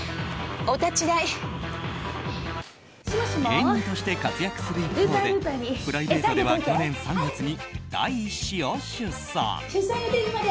芸人として活躍する一方でプライベートでは去年３月に第１子を出産。